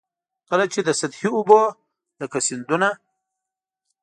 کله چي د سطحي اوبو لکه سیندونه.